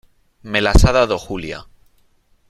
me las ha dado Julia .